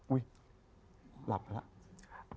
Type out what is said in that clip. อุ๊ยหลับแล้ว